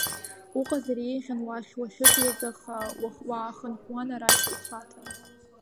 Уҟазар еиӷьын уахь, уахьыӡуаз, аха уаахынҳәуан арахь уҽаҭан.